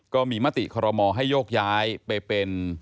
ก็มีมติคอรมอให้โยกย้ายไปเป็น